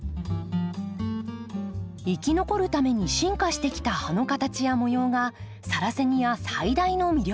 生き残るために進化してきた葉の形や模様がサラセニア最大の魅力。